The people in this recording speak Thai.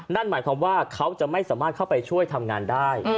นั่นหมายความว่าเขาจะไม่สามารถเข้าไปช่วยทำงานได้